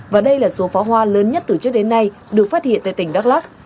và đây là số pháo hoa lớn nhất từ trước đến nay được phát hiện tại tỉnh đắk lắc